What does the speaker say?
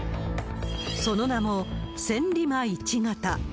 その名も、千里馬１型。